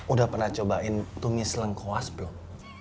udah pernah cobain tumis lengkuas belum